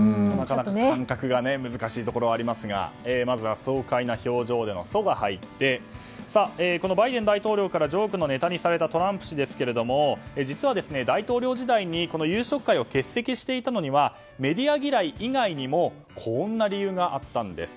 感覚が難しいところもありますが爽快な表情での「ソ」が入ってバイデン大統領からジョークのネタにされたトランプ氏ですが実は、大統領時代に夕食会を欠席していたのにはメディア嫌い以外にもこんな理由があったんです。